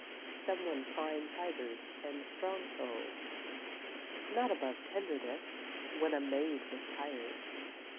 Some one fine fibred and strong souled, not above tenderness when a maid was tired.